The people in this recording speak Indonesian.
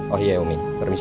oh iya umi permisi